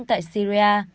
như iran tại syria